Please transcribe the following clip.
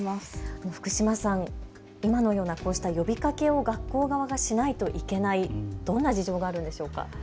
こうした呼びかけを学校側がしないといけない、どんな事情があるんでしょうか。